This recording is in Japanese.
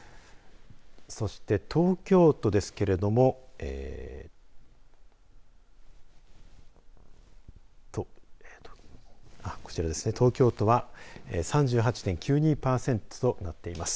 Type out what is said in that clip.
そして東京都ですけれどもこちらですね、東京都は３８．９２パーセントとなっています。